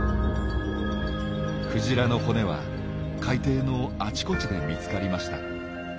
クジラの骨は海底のあちこちで見つかりました。